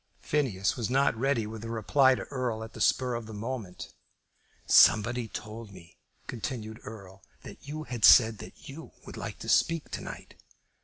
Phineas was not ready with a reply to Erle at the spur of the moment. "Somebody told me," continued Erle, "that you had said that you would like to speak to night."